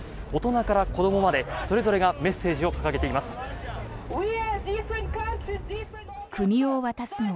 大人から子どもまでそれぞれがメッセージを掲げています。